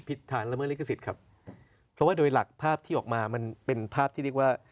ฐานละเมิดลิขสิทธิ์ครับเพราะว่าโดยหลักภาพที่ออกมามันเป็นภาพที่เรียกว่า